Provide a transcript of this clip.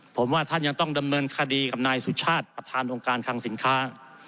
ผมว่าท่านยังต้องดำเนินคดีกับนายสุชาติประธานองค์การคังสินค้า